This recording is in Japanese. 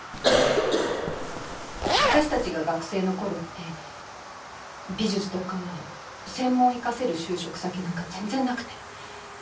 私たちが学生の頃って美術とか専門生かせる就職先なんか全然なくて。